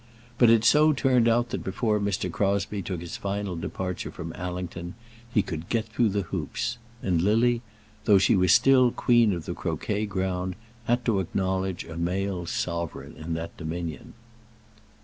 But it so turned out that before Mr. Crosbie took his final departure from Allington he could get through the hoops; and Lily, though she was still queen of the croquet ground, had to acknowledge a male sovereign in that dominion.